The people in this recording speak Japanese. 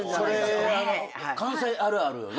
それ関西あるあるよね。